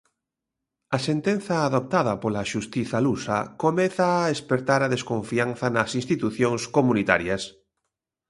A sentenza adoptada pola xustiza lusa comeza a espertar a desconfianza nas institucións comunitarias.